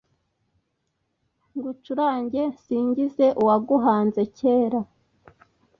Ngucurange nsingize uwaguhanze kera